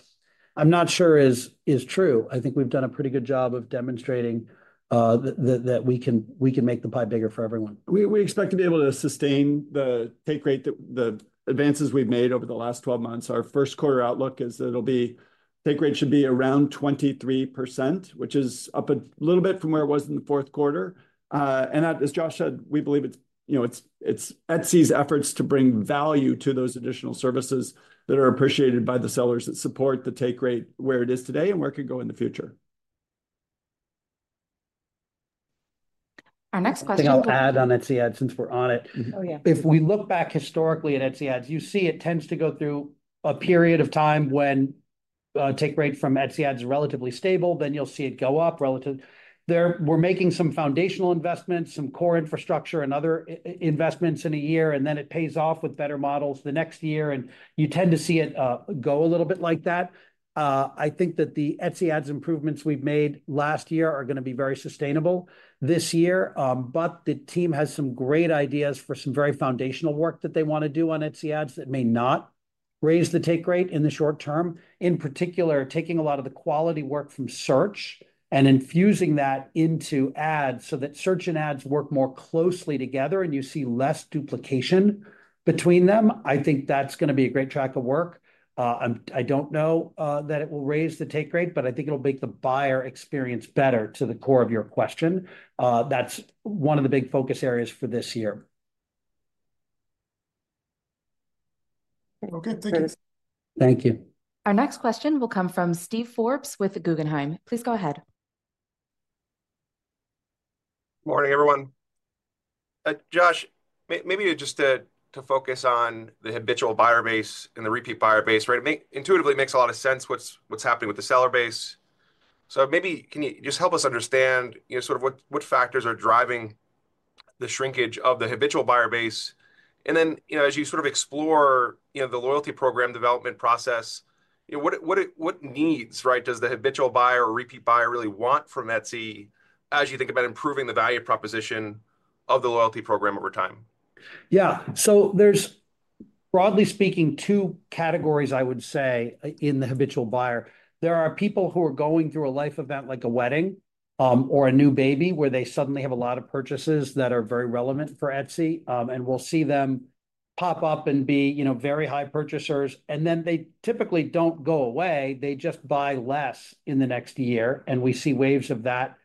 Speaker 2: I'm not sure is true. I think we've done a pretty good job of demonstrating that we can make the pie bigger for everyone.
Speaker 3: We expect to be able to sustain the take rate, the advances we've made over the last 12 months. Our Q1 outlook is that it'll be take rate should be around 23%, which is up a little bit from where it was in the Q4. And as Josh said, we believe it's Etsy's efforts to bring value to those additional services that are appreciated by the sellers that support the take rate where it is today and where it can go in the future.
Speaker 4: Our next question.
Speaker 2: I think I'll add on Etsy ads since we're on it. If we look back historically at Etsy ads, you see it tends to go through a period of time when take rate from Etsy ads is relatively stable. Then you'll see it go up relatively. We're making some foundational investments, some core infrastructure and other investments in a year, and then it pays off with better models the next year, and you tend to see it go a little bit like that. I think that the Etsy ads improvements we've made last year are going to be very sustainable this year, but the team has some great ideas for some very foundational work that they want to do on Etsy ads that may not raise the take rate in the short term. In particular, taking a lot of the quality work from search and infusing that into ads so that search and ads work more closely together and you see less duplication between them. I think that's going to be a great track of work. I don't know that it will raise the take rate, but I think it'll make the buyer experience better to the core of your question. That's one of the big focus areas for this year.
Speaker 9: Okay. Thank you.
Speaker 2: Thank you.
Speaker 4: Our next question will come from Steve Forbes with Guggenheim. Please go ahead.
Speaker 10: Morning, everyone. Josh, maybe just to focus on the habitual buyer base and the repeat buyer base, intuitively, it makes a lot of sense what's happening with the seller base. So maybe can you just help us understand sort of what factors are driving the shrinkage of the habitual buyer base? And then as you sort of explore the loyalty program development process, what needs does the habitual buyer or repeat buyer really want from Etsy as you think about improving the value proposition of the loyalty program over time?
Speaker 2: Yeah. So there's, broadly speaking, two categories, I would say, in the habitual buyer. There are people who are going through a life event like a wedding or a new baby where they suddenly have a lot of purchases that are very relevant for Etsy. And we'll see them pop up and be very high purchasers. And then they typically don't go away. They just buy less in the next year. And we see waves of that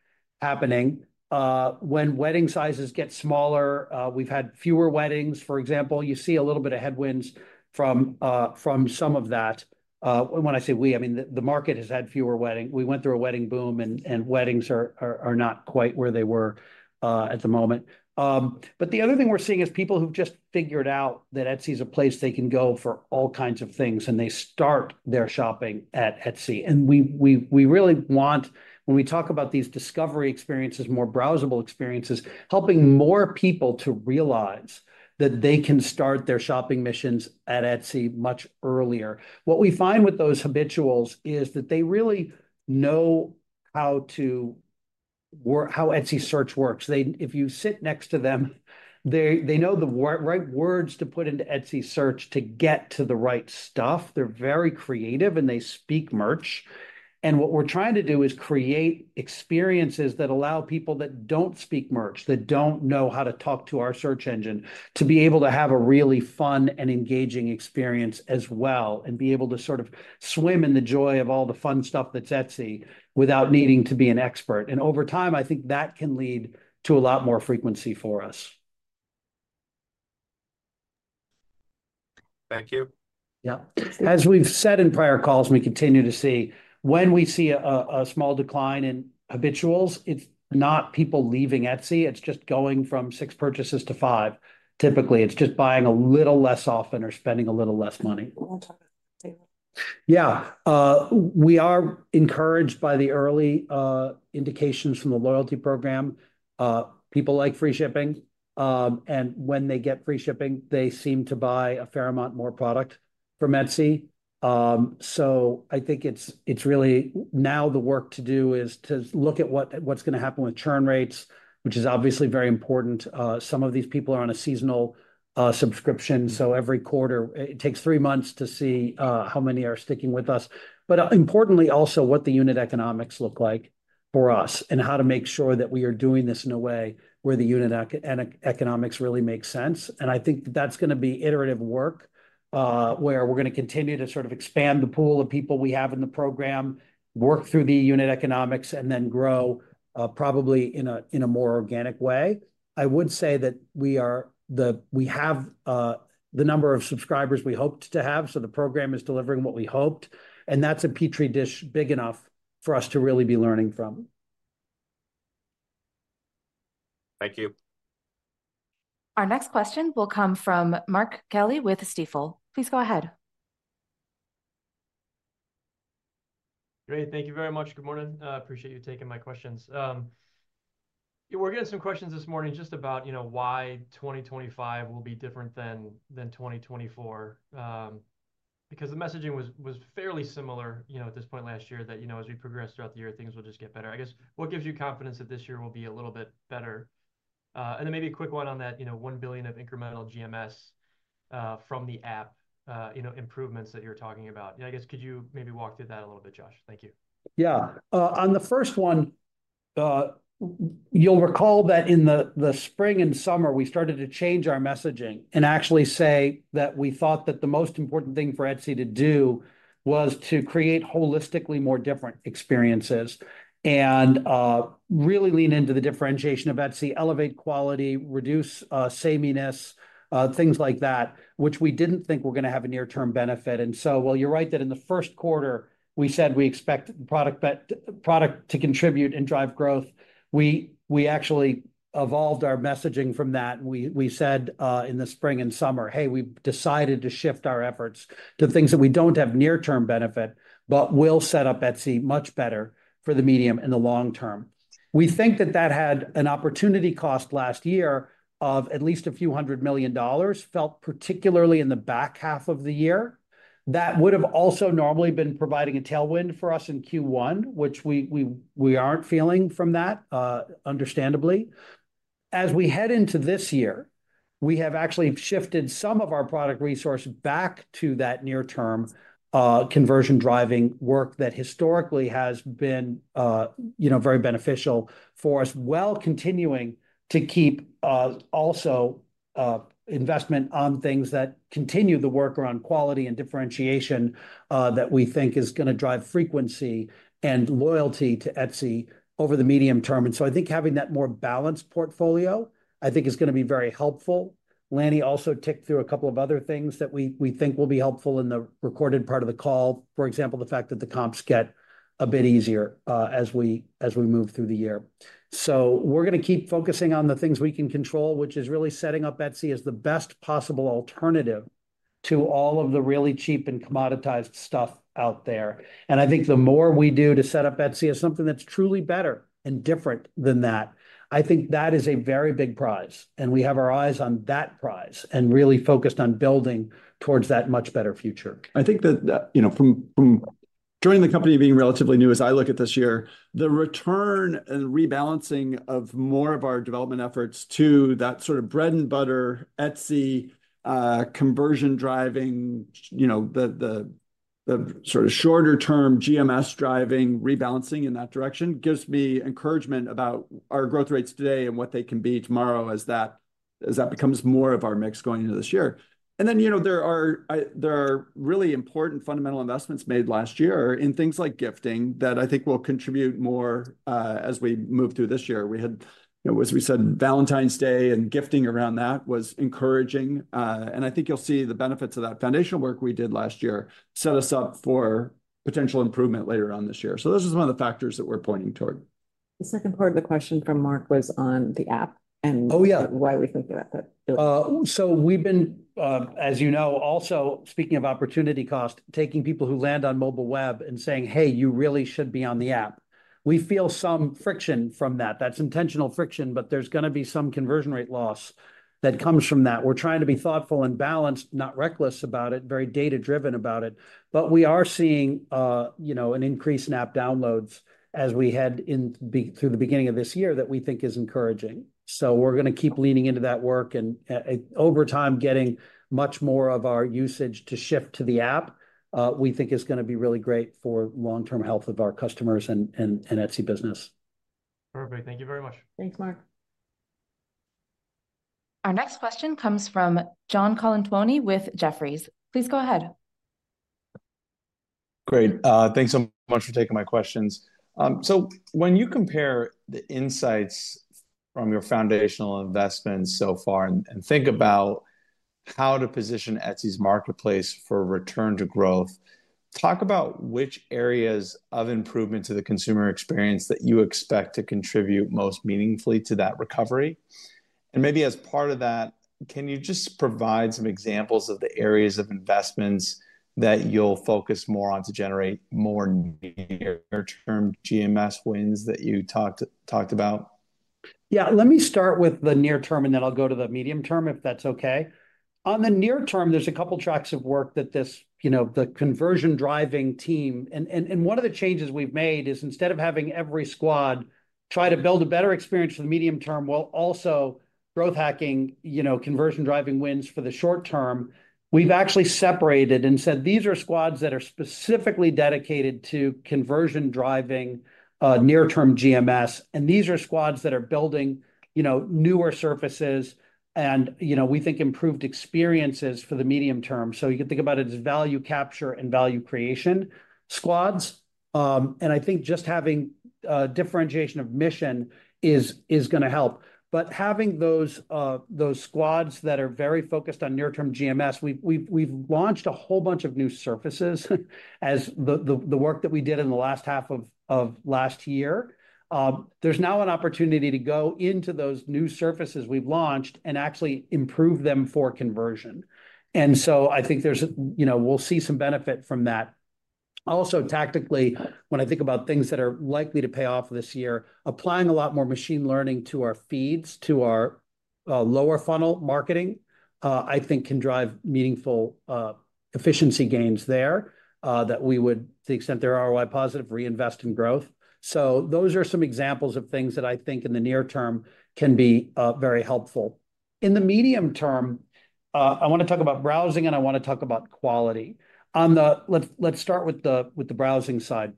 Speaker 2: happening. When wedding sizes get smaller, we've had fewer weddings, for example. You see a little bit of headwinds from some of that. When I say we, I mean the market has had fewer weddings. We went through a wedding boom, and weddings are not quite where they were at the moment. But the other thing we're seeing is people who've just figured out that Etsy is a place they can go for all kinds of things, and they start their shopping at Etsy. And we really want, when we talk about these discovery experiences, more browsable experiences, helping more people to realize that they can start their shopping missions at Etsy much earlier. What we find with those habituals is that they really know how Etsy search works. If you sit next to them, they know the right words to put into Etsy search to get to the right stuff. They're very creative, and they speak merch. What we're trying to do is create experiences that allow people that don't speak merch, that don't know how to talk to our search engine, to be able to have a really fun and engaging experience as well and be able to sort of swim in the joy of all the fun stuff that's Etsy without needing to be an expert. And over time, I think that can lead to a lot more frequency for us.
Speaker 10: Thank you.
Speaker 2: Yeah. As we've said in prior calls, we continue to see when we see a small decline in habituals, it's not people leaving Etsy. It's just going from six purchases to five. Typically, it's just buying a little less often or spending a little less money. Yeah. We are encouraged by the early indications from the loyalty program. People like free shipping. And when they get free shipping, they seem to buy a fair amount more product from Etsy. So I think it's really now the work to do is to look at what's going to happen with churn rates, which is obviously very important. Some of these people are on a seasonal subscription. So every quarter, it takes three months to see how many are sticking with us. But importantly, also what the unit economics look like for us and how to make sure that we are doing this in a way where the unit economics really make sense. And I think that that's going to be iterative work where we're going to continue to sort of expand the pool of people we have in the program, work through the unit economics, and then grow probably in a more organic way. I would say that we have the number of subscribers we hoped to have, so the program is delivering what we hoped, and that's a petri dish big enough for us to really be learning from.
Speaker 10: Thank you.
Speaker 4: Our next question will come from Mark Kelley with Stifel. Please go ahead.
Speaker 11: Great. Thank you very much. Good morning. Appreciate you taking my questions. We're getting some questions this morning just about why 2025 will be different than 2024. Because the messaging was fairly similar at this point last year that as we progress throughout the year, things will just get better. I guess, what gives you confidence that this year will be a little bit better? And then maybe a quick one on that $1 billion of incremental GMS from the app improvements that you're talking about. I guess, could you maybe walk through that a little bit, Josh? Thank you.
Speaker 2: Yeah. On the first one, you'll recall that in the spring and summer, we started to change our messaging and actually say that we thought that the most important thing for Etsy to do was to create holistically more different experiences and really lean into the differentiation of Etsy, elevate quality, reduce sameness, things like that, which we didn't think were going to have a near-term benefit. And so, well, you're right that in the Q1, we said we expect the product to contribute and drive growth. We actually evolved our messaging from that. We said in the spring and summer, "Hey, we've decided to shift our efforts to things that we don't have near-term benefit, but we'll set up Etsy much better for the medium and the long term." We think that that had an opportunity cost last year of at least $ a few hundred million, felt particularly in the back half of the year. That would have also normally been providing a tailwind for us in Q1, which we aren't feeling from that, understandably. As we head into this year, we have actually shifted some of our product resource back to that near-term conversion driving work that historically has been very beneficial for us, while continuing to keep also investment on things that continue the work around quality and differentiation that we think is going to drive frequency and loyalty to Etsy over the medium term. And so I think having that more balanced portfolio, I think, is going to be very helpful. Lanny also ticked through a couple of other things that we think will be helpful in the recorded part of the call. For example, the fact that the comps get a bit easier as we move through the year. So we're going to keep focusing on the things we can control, which is really setting up Etsy as the best possible alternative to all of the really cheap and commoditized stuff out there. And I think the more we do to set up Etsy as something that's truly better and different than that, I think that is a very big prize. And we have our eyes on that prize and really focused on building towards that much better future.
Speaker 3: I think that from joining the company, being relatively new, as I look at this year, the return and rebalancing of more of our development efforts to that sort of bread and butter Etsy conversion driving, the sort of shorter-term GMS driving rebalancing in that direction gives me encouragement about our growth rates today and what they can be tomorrow as that becomes more of our mix going into this year. And then there are really important fundamental investments made last year in things like gifting that I think will contribute more as we move through this year. We had, as we said, Valentine's Day and gifting around that was encouraging. And I think you'll see the benefits of that foundational work we did last year set us up for potential improvement later on this year. So those are some of the factors that we're pointing toward.
Speaker 1: The second part of the question from Mark was on the app and why we think about that.
Speaker 2: So we've been, as you know, also speaking of opportunity cost, taking people who land on mobile web and saying, "Hey, you really should be on the app." We feel some friction from that. That's intentional friction, but there's going to be some conversion rate loss that comes from that. We're trying to be thoughtful and balanced, not reckless about it, very data-driven about it. But we are seeing an increase in app downloads as we head through the beginning of this year that we think is encouraging. So we're going to keep leaning into that work and over time getting much more of our usage to shift to the app, we think is going to be really great for long-term health of our customers and Etsy business.
Speaker 11: Perfect. Thank you very much.
Speaker 1: Thanks, Mark.
Speaker 4: Our next question comes from John Colantuoni with Jefferies. Please go ahead.
Speaker 12: Great. Thanks so much for taking my questions. So when you compare the insights from your foundational investments so far and think about how to position Etsy's marketplace for return to growth, talk about which areas of improvement to the consumer experience that you expect to contribute most meaningfully to that recovery. And maybe as part of that, can you just provide some examples of the areas of investments that you'll focus more on to generate more near-term GMS wins that you talked about?
Speaker 2: Yeah. Let me start with the near-term and then I'll go to the medium term if that's okay. On the near term, there's a couple of tracks of work that the conversion driving team, and one of the changes we've made is instead of having every squad try to build a better experience for the medium term while also growth hacking conversion driving wins for the short term. We've actually separated and said, "These are squads that are specifically dedicated to conversion driving near-term GMS," and these are squads that are building newer surfaces and we think improved experiences for the medium term, so you can think about it as value capture and value creation squads, and I think just having differentiation of mission is going to help, but having those squads that are very focused on near-term GMS, we've launched a whole bunch of new surfaces as the work that we did in the last half of last year. There's now an opportunity to go into those new surfaces we've launched and actually improve them for conversion. And so I think we'll see some benefit from that. Also, tactically, when I think about things that are likely to pay off this year, applying a lot more machine learning to our feeds, to our lower funnel marketing, I think can drive meaningful efficiency gains there that we would, to the extent they're ROI positive, reinvest in growth. So those are some examples of things that I think in the near term can be very helpful. In the medium term, I want to talk about browsing and I want to talk about quality. Let's start with the browsing side.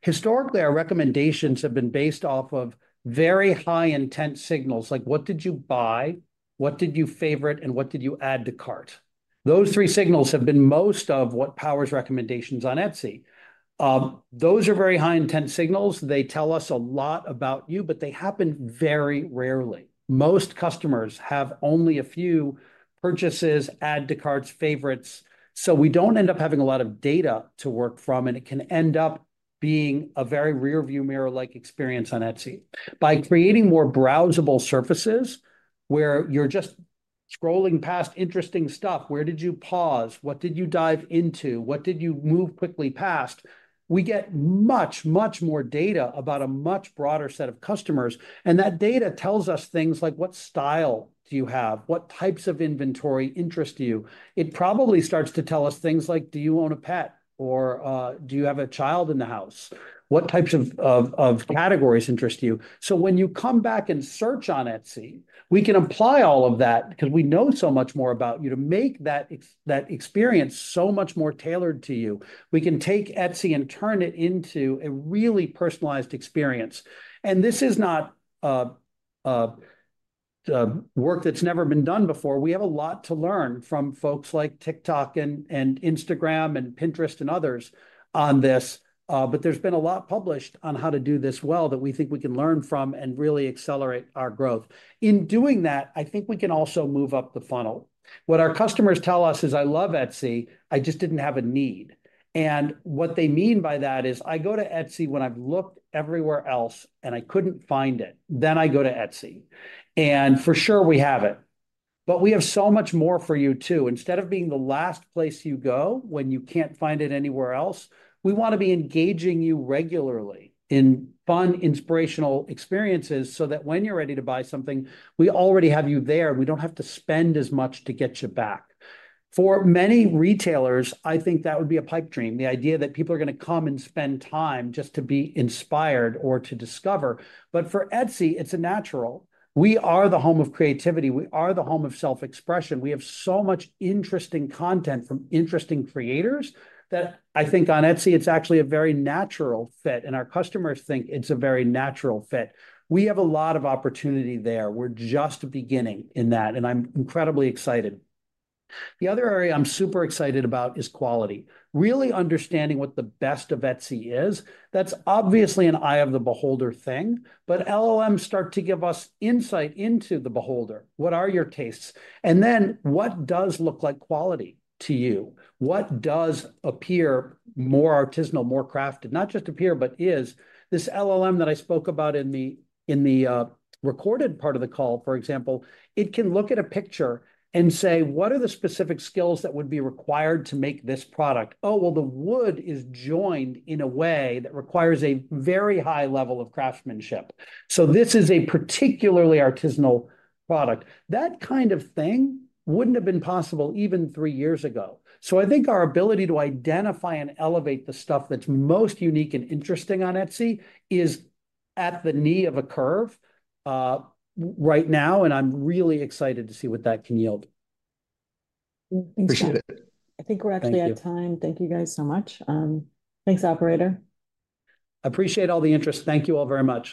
Speaker 2: Historically, our recommendations have been based off of very high-intent signals like what did you buy, what did you favorite, and what did you add to cart. Those three signals have been most of what powers recommendations on Etsy. Those are very high-intent signals. They tell us a lot about you, but they happen very rarely. Most customers have only a few purchases, add to carts, favorites. So we don't end up having a lot of data to work from, and it can end up being a very rearview mirror-like experience on Etsy. By creating more browsable surfaces where you're just scrolling past interesting stuff, where did you pause? What did you dive into? What did you move quickly past? We get much, much more data about a much broader set of customers. And that data tells us things like what style do you have? What types of inventory interest you? It probably starts to tell us things like, do you own a pet? Or do you have a child in the house? What types of categories interest you, so when you come back and search on Etsy, we can apply all of that because we know so much more about you to make that experience so much more tailored to you. We can take Etsy and turn it into a really personalized experience, and this is not work that's never been done before. We have a lot to learn from folks like TikTok and Instagram and Pinterest and others on this, but there's been a lot published on how to do this well that we think we can learn from and really accelerate our growth. In doing that, I think we can also move up the funnel. What our customers tell us is, "I love Etsy. I just didn't have a need," and what they mean by that is, "I go to Etsy when I've looked everywhere else and I couldn't find it. Then I go to Etsy," and for sure, we have it, but we have so much more for you too. Instead of being the last place you go when you can't find it anywhere else, we want to be engaging you regularly in fun, inspirational experiences so that when you're ready to buy something, we already have you there and we don't have to spend as much to get you back. For many retailers, I think that would be a pipe dream, the idea that people are going to come and spend time just to be inspired or to discover, but for Etsy, it's a natural. We are the home of creativity. We are the home of self-expression. We have so much interesting content from interesting creators that I think on Etsy, it's actually a very natural fit. And our customers think it's a very natural fit. We have a lot of opportunity there. We're just beginning in that. And I'm incredibly excited. The other area I'm super excited about is quality. Really understanding what the best of Etsy is. That's obviously an eye of the beholder thing. But LLMs start to give us insight into the beholder. What are your tastes? And then what does look like quality to you? What does appear more artisanal, more crafted, not just appear, but is? This LLM that I spoke about in the recorded part of the call, for example, it can look at a picture and say, "What are the specific skills that would be required to make this product?" Oh, well, the wood is joined in a way that requires a very high level of craftsmanship. So this is a particularly artisanal product. That kind of thing wouldn't have been possible even three years ago. So I think our ability to identify and elevate the stuff that's most unique and interesting on Etsy is at the knee of a curve right now, and I'm really excited to see what that can yield.
Speaker 12: Appreciate it.
Speaker 1: I think we're actually at time. Thank you guys so much. Thanks, operator.
Speaker 2: Appreciate all the interest. Thank you all very much.